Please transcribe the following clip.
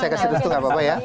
saya kasih restu gak apa apa ya